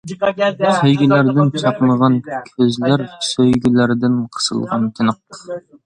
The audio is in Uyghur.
سۆيگۈلەردىن چاقنىغان كۆزلەر، سۆيگۈلەردىن قىسىلغان تىنىق.